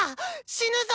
死ぬぞ！